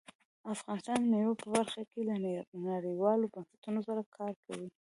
افغانستان د مېوو په برخه کې له نړیوالو بنسټونو سره کار کوي.